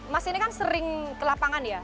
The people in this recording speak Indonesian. mas ini kan sering ke lapangan ya